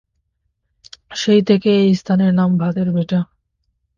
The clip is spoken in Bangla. সেই থেকে এই স্থানের নাম ভাতের ভিটা।